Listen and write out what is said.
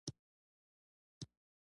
په دې سیمه کې ډېري میوې دي